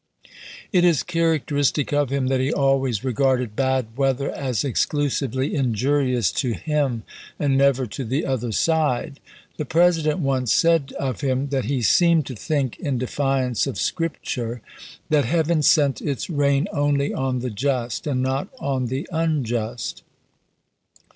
It is characteristic of him that he always regarded bad weather as exclu sively injurious to him, and never to the other side. The President once said of him that he seemed to THE SEVEN DAYS' BATTLES 415 think, in defiance of Scripture, that Heaven sent its ch. xxiii. rain only on the just and not on the unjust.